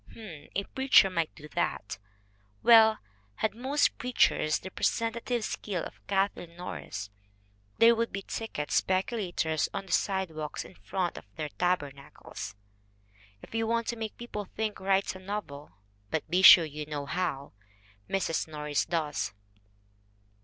H'm, a preacher might do that. Well, had most preachers the pre sentative skill of Kathleen Norris there would be ticket speculators on the sidewalks in front of their taber nacles ! If you want to make people think write a novel but be sure you know how ! Mrs. Norris does.